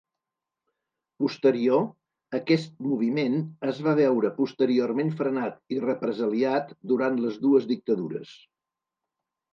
Posterior, aquest moviment es va veure posteriorment frenat i represaliat durant les dues dictadures.